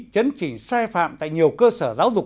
chấn chỉnh sai phạm tại nhiều cơ sở giáo dục